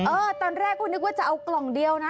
ตอนแรกก็นึกว่าจะเอากล่องเดียวนะ